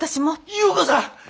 優子さん！